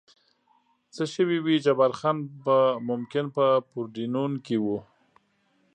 څه شوي وي، جبار خان به ممکن په پورډینون کې و.